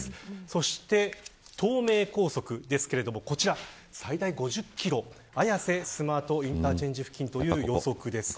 そして東名高速ですけどこちら、最大５０キロ綾瀬スマートインターチェンジ付近という予測。